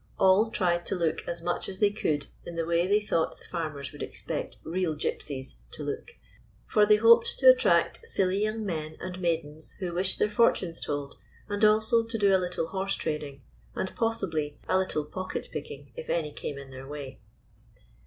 All tried to look as much as they could in the way they thought the farmers would expect "real Gysies " to look, for they hoped to attract silly young men and maidens who wished their for tunes told, and also to do a little horse trading — and possibly a little pocket picking, if any came in their way.